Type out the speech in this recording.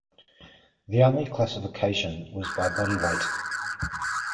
The only classification was by body weight.